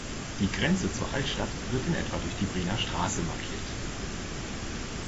Die Grenze zur Altstadt wird in etwa durch die Brienner Straße markiert.